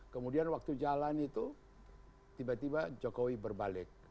kemudian waktu jalan itu tiba tiba jokowi berbalik